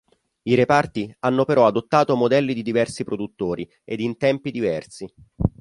I reparti hanno però adottato modelli di diversi produttori ed in tempi diversi.